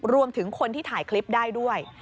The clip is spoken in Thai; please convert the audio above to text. รวมถึงคนที่ถ่ายคลิปได้ด้วย